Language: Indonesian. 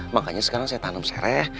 makanya sekarang saya tanam sereh